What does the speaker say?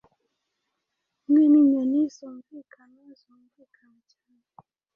Hamwe ninyoni zumvikana zumvikana cyane